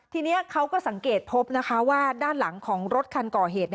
ทีนี้เขาก็สังเกตพบนะคะว่าด้านหลังของรถคันก่อเหตุ